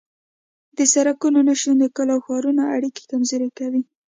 د سرکونو نشتون د کلیو او ښارونو اړیکې کمزورې کوي